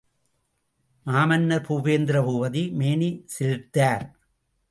மாமன்னர் பூபேந்திர பூபதி மேனி சிலிர்த்தார்.